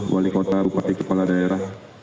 wali kota bupati kepala daerah